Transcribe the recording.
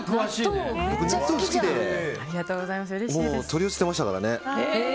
取り寄せてましたから。